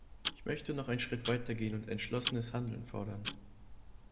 Ich möchte noch einen Schritt weitergehen und entschlossenes Handeln fordern.